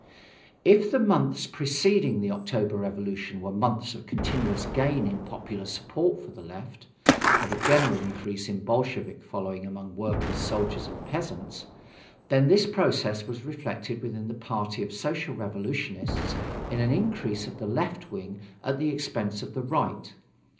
If the months preceding the October revolution were months of continuous gain in popular support for the Left of a general increase in Bolshevik following among workers, soldiers and peasants then this process was reflected within the party of Social Revolutionists in an increase of the left wing at the expense of the right.